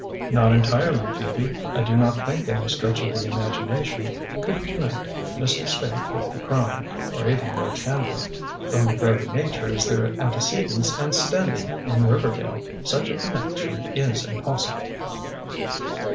"Not entirely, Phoebe. I do not think any stretch of the imagination could connect Mr. Spaythe with the crime, or even Will Chandler. From their very natures, their antecedents and standing in Riverdale, such a connection is impossible."